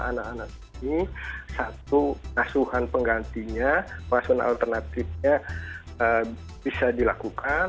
anak anak ini satu kasuhan penggantinya pengasuhan alternatifnya bisa dilakukan